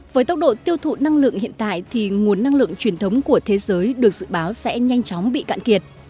với tốc độ tiêu thụ năng lượng hiện tại thì nguồn năng lượng truyền thống của thế giới được dự báo sẽ nhanh chóng bị cạn kiệt